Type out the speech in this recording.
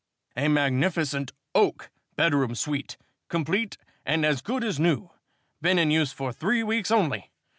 "A magnificent oak bedroom suite, complete and as good as new, been in use for three weeks only.